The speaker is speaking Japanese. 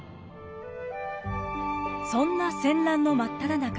そんな戦乱の真っただ中。